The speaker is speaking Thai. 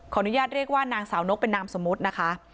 อนุญาตเรียกว่านางสาวนกเป็นนามสมมุตินะคะ